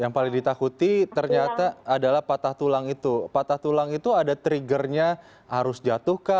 yang paling ditakuti ternyata adalah patah tulang itu patah tulang itu ada triggernya harus jatuh kah